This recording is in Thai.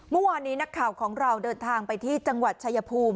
เมื่อวานนี้นักข่าวของเราเดินทางไปที่จังหวัดชายภูมิ